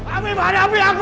afif hadapin aku